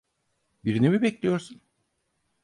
Birini mi bekliyorsun?